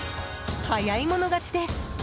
早い者勝ちです。